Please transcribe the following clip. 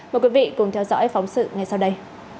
mời quý vị cùng theo dõi phóng sự ngay sau đây